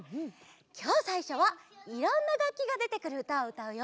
きょうさいしょはいろんながっきがでてくるうたをうたうよ。